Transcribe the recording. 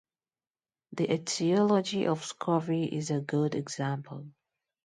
The etiology of scurvy is a good example.